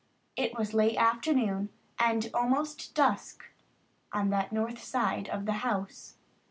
It was late afternoon and almost dusk on that north side of the house.